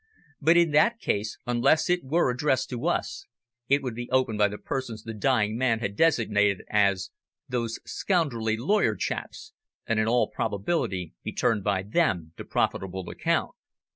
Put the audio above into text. But in that case, unless it were addressed to us, it would be opened by the persons the dying man had designated as "those scoundrelly lawyer chaps," and in all probability be turned by them to profitable account.